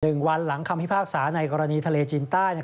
วันหลังคำพิพากษาในกรณีทะเลจีนใต้